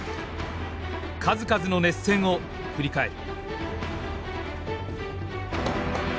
数々の熱戦を振り返る。